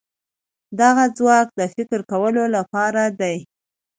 دغه ځواک د فکر کولو لپاره دی.